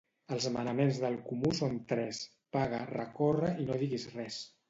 Els manaments del comú són tres: paga, recorre i no diguis res.